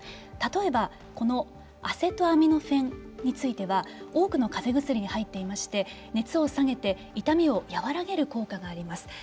例えば、このアセトアミノフェンについては多くのかぜ薬に入っていまして熱を下げて痛みを和らげる効果があります。